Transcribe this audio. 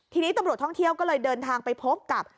ทีนี้ตำรวจท่องเที่ยวก็เลยเดินทางไปพบกับ